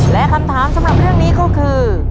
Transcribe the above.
และคำถามสำหรับเรื่องนี้ก็คือ